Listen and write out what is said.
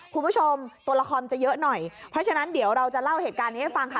คุณผู้ชมตัวละครจะเยอะหน่อยเพราะฉะนั้นเดี๋ยวเราจะเล่าเหตุการณ์นี้ให้ฟังค่ะ